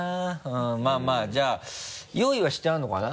まぁまぁじゃあ用意はしてあるのかな？